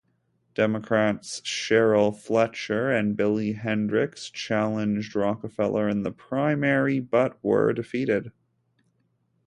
Democrats Sheirl Fletcher and Billy Hendricks challenged Rockefeller in the primary but were defeated.